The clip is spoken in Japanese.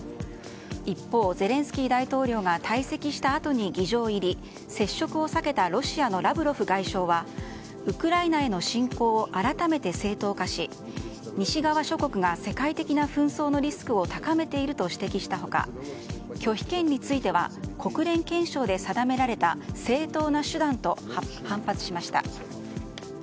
一方、ゼレンスキー大統領が退席したあとに議場入り接触を避けたロシアのラブロフ外相はウクライナへの侵攻を改めて正当化し西側諸国が世界的な紛争のリスクを高めていると指摘した他拒否権については国連憲章で定められた正当な手段と反発しました。